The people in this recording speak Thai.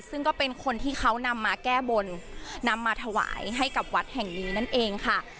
ซึ่งก็เป็นคนที่เขานำมาแก้บนนำมาถวายให้กับวัดแห่งนี้นั่นเองค่ะ